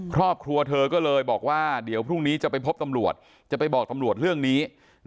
ครอบครัวเธอก็เลยบอกว่าเดี๋ยวพรุ่งนี้จะไปพบตำรวจจะไปบอกตำรวจเรื่องนี้